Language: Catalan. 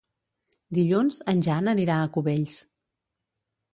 Dilluns en Jan anirà a Cubells.